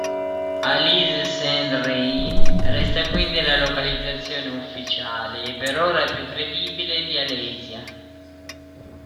Alise-Sainte-Reine resta quindi la localizzazione ufficiale e per ora più credibile di Alesia.